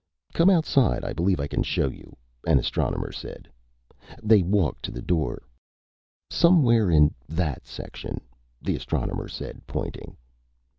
"Come outside; I believe I can show you," an astronomer said. They walked to the door. "Somewhere in that section," the astronomer said, pointing.